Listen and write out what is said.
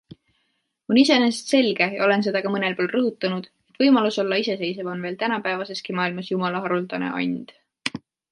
On iseenesest selge ja olen seda ka mõnel pool rõhutanud, et võimalus olla iseseisev on veel tänapäevaseski maailmas Jumala haruldane and.